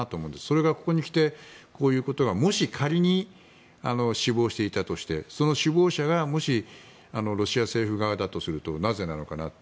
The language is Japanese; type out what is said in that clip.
それがここにきてこういうことが、もし仮に死亡していたとしてその首謀者がもし、ロシア政府側だとするとなぜなのかなと。